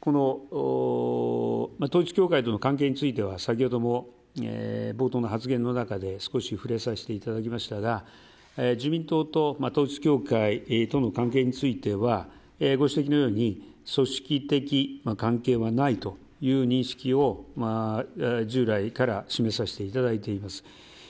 この統一教会との関係については先ほども冒頭の発言の中で少し触れさせていただきましたが自民党と統一教会との関係についてはご指摘のように組織的関係はないという認識を従来から示させていただいています。